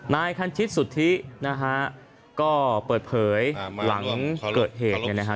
นายคันชิตสุทธินะฮะก็เปิดเผยหลังเกิดเหตุเนี่ยนะฮะ